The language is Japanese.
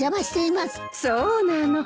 そうなの。